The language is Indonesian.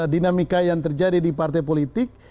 dinamika yang terjadi di partai politik